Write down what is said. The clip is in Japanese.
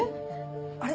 あれ？